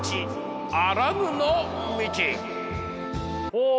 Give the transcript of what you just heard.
ほう。